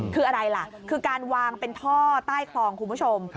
คืออะไรล่ะคือการวางเป็นท่อใต้คลองคุณผู้ชม